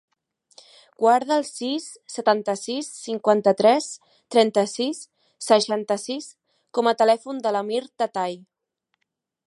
Guarda el sis, setanta-sis, cinquanta-tres, trenta-sis, seixanta-sis com a telèfon de l'Amir Tatay.